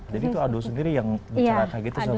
jadi itu adul sendiri yang bicara kayak gitu sama ibu